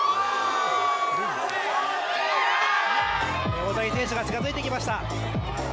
大谷選手が近づいてきました。